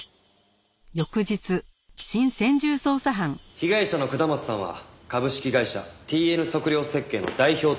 被害者の下松さんは株式会社ＴＮ測量設計の代表取締役でした。